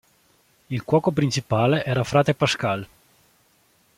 Il cuoco principale era frate Pascual.